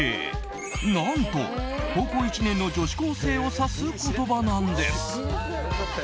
何と高校１年の女子高生を指す言葉なんです。